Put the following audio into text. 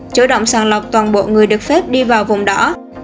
chủ động sàng lọc toàn bộ người được phép đi vào vùng đỏ